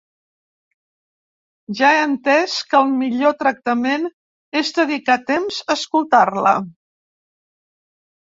Ja ha entès que el millor tractament és dedicar temps a escoltar-la.